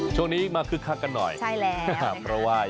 ช่วงนี้มาคึกคักกันหน่อยใช่แล้ว